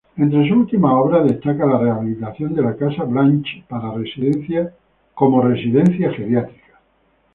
Entre sus últimas obras destaca la rehabilitación de la casa Blanch para residencia geriátrica.